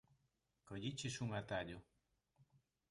Colliches un atallo.